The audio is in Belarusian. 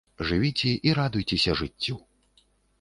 Жывіце і радуйцеся жыццю.